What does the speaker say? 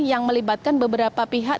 yang melibatkan beberapa pihak